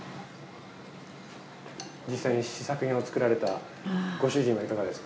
実際に試作品を作られたご主人はいかがですか？